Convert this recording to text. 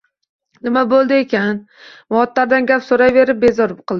Nima boʻldi ekan? Muattardan gap soʻrayverib bezor qildim.